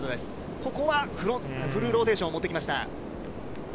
ここはフルローテーションを持ってきました。